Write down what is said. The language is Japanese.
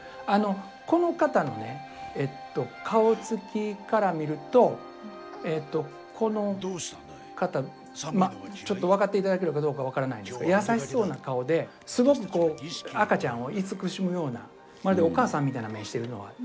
この方のね顔つきから見るとこの方ちょっと分かって頂けるかどうか分からないんですが優しそうな顔ですごく赤ちゃんを慈しむようなまるでお母さんみたいな目してるのが。